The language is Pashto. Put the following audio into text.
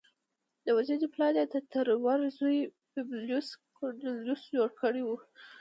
د وژنې پلان یې د ترور زوی پبلیوس کورنلیوس جوړ کړی و